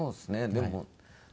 でも。